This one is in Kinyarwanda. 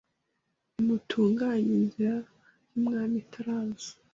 Nimutunganye inzira y’Umwami ataraza